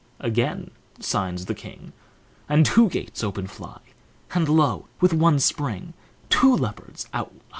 Again signs the king, And two gates open fly, And, lo! with one spring, Two leopards out hie.